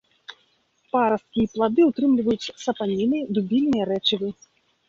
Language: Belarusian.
Парасткі і плады ўтрымліваюць сапаніны, дубільныя рэчывы.